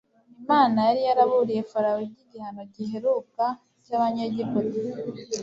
Imana yari yaraburiye Farawo iby'igihano giheruka cy'Abanyegiputa